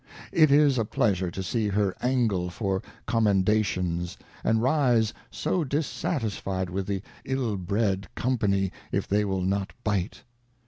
It is a Pleasure to see her Angle for Commendations, and rise so dissatisfied with the Ill bred Company, if they will not bite.